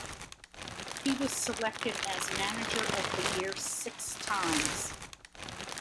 He was selected as Manager of the Year six times.